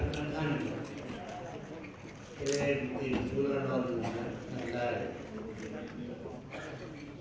จากท่านท่านที่ได้กินทุกรณะนอนของท่านได้